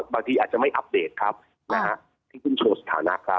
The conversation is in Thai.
บางทีอาจจะไม่อัปเดตครับที่คุณโชว์สถานะครับ